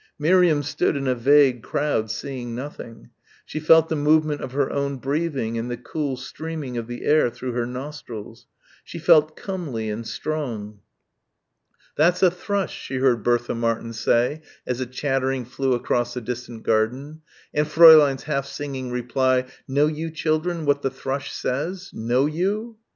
Miriam stood in a vague crowd seeing nothing. She felt the movement of her own breathing and the cool streaming of the air through her nostrils. She felt comely and strong. "That's a thrush," she heard Bertha Martin say as a chattering flew across a distant garden and Fräulein's half singing reply, "Know you, children, what the thrush says? Know you?"